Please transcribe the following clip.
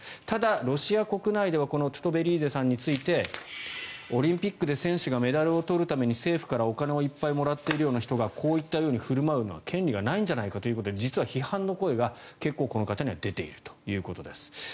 ただ、ロシア国内ではトゥトベリーゼさんについてオリンピックで選手がメダルを取るために政府からお金をいっぱいもらっているような人がこういったように振る舞うのは権利がないんじゃないかということで実は批判の声が、結構この方には出ているということです。